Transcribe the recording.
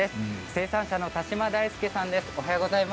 生産者の田島大介さんです。